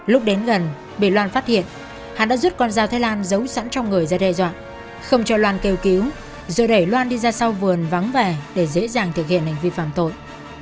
lúc đến gần bị loan phát hiện hắn đã rút con dao thái lan giấu sẵn trong người ra đe dọa không cho loan kêu cứu rồi đẩy loan đi ra sau vườn vắng vẻ để dễ dàng thực hiện hành vi phạm tội